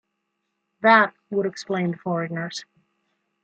That would explain the foreigners.